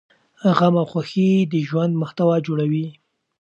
غم او خوښي د ژوند محتوا جوړوي.